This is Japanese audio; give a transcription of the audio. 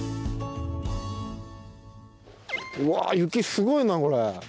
うわ雪すごいなこれ。